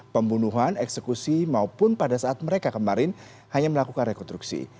pembunuhan eksekusi maupun pada saat mereka kemarin hanya melakukan rekonstruksi